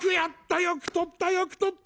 よくとったよくとった！